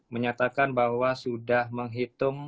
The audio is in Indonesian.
menyatakan bahwa sudah menghitung